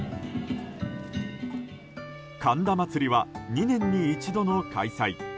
神田祭は２年に一度の開催。